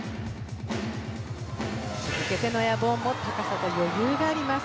続けてのエアボーンも高さと余裕があります。